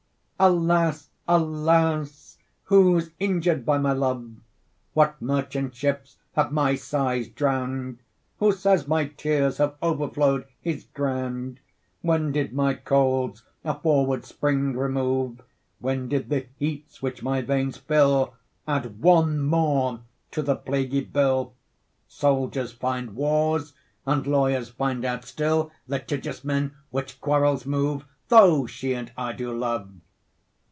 Alas, alas, who's injur'd by my love? 10 What merchants ships have my sighs drown'd? Who saies my teares have overflow'd his ground? When did my colds a forward spring remove? When did the heats which my veines fill Adde one more to the plaguie Bill? 15 Soldiers finde warres, and Lawyers finde out still Litigious men, which quarrels move, Though she and I do love.